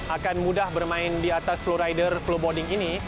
akan mudah bermain di atas flowrider flowboarding ini